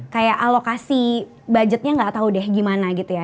kayak alokasi budgetnya nggak tahu deh gimana gitu ya